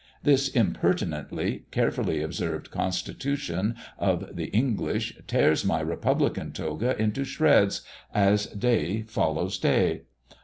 This impertinently, carefully observed constitution of the English tears my republican toga into shreds, as day follows day.